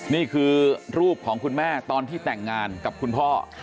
นี่คือรูปของคุณแม่ตอนที่แต่งงานกับคุณพ่อ